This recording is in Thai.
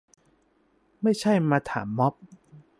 ไม่ใช่มาถามม็อบ